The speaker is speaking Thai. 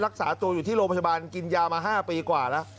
รักษาตัวอยู่ที่โรงพยาบาลกินยามา๕ปีกว่าแล้ว